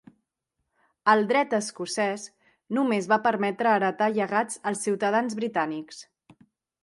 El Dret escocès, només va permetre heretar llegats als ciutadans britànics.